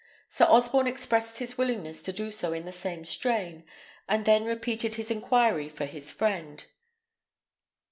Sir Osborne expressed his willingness to do so in the same strain, and then repeated his inquiry for his friend.